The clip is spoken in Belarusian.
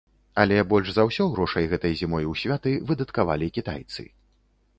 Але больш за ўсё грошай гэтай зімой у святы выдаткавалі кітайцы.